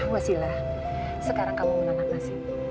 wasila sekarang kamu menangkan masyid